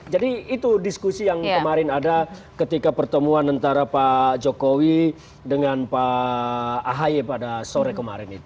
jadi itu diskusi yang kemarin ada ketika pertemuan antara pak jokowi dengan pak ahai pada sore kemarin itu